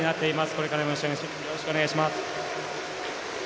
これからも一緒によろしくお願いします。